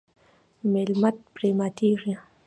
میلمه پرې ماتیږي.